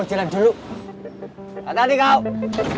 jangan luar biasa